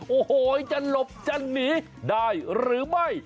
โอ้โหจะหลบจะหนีได้หรือไม่